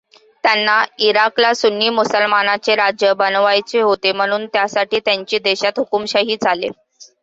त्यांना इराकला सुन्नी मुसलमानांचे राज्य बनवावयाचे होते, म्हणून त्यासाठी त्यांची देशात हुकूमशाही चाले.